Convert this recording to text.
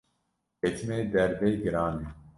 Ketime derbê giran e